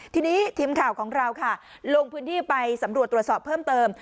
ทีนี้ทีมข่าวของเราค่ะลงพื้นที่ไปสำรวจตรวจสอบเพิ่มเติม